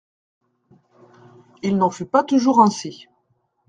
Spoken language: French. Il n’en fut pas toujours ainsi…